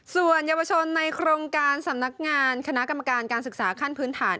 ส่วนเยาวชนในโครงการสำนักงานคณะกรรมการการศึกษาขั้นพื้นฐาน